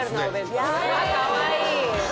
かわいい！